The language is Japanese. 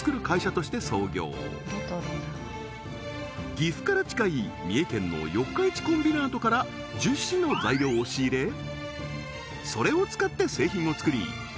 岐阜から近い三重県の四日市コンビナートから樹脂の材料を仕入れそれを使って製品を作り